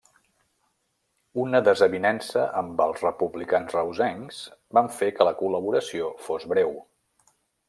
Una desavinença amb els republicans reusencs van fer que la col·laboració fos breu.